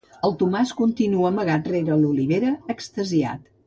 El Tomàs continua amagat rere l'olivera, extasiat.